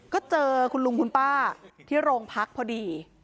ก็เจอคุณลุงคุณป้าที่โรงพักพอดี